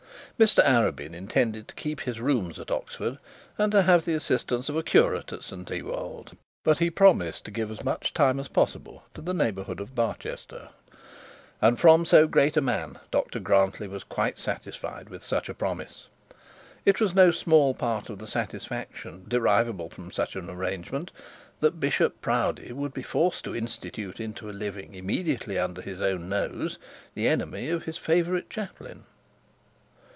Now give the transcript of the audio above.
Mr Arabin intended to keep his rooms at Oxford, and to have the assistance of a curate at St Ewold; but he promised to give as much time as possible to the neighbourhood of Barchester, and from so great a man Dr Grantly was quite satisfied with such a promise. It was no small part of the satisfaction derivable from such an arrangement that Dr Proudie would be forced to institute into a living, immediately under his own nose, the enemy of his favourite chaplain.